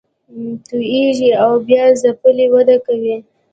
توییږي او بیا ځپلې وده کوي